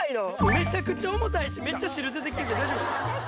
めちゃくちゃ重たいし、めっちゃ汁出てきてるけど、大丈夫ですか？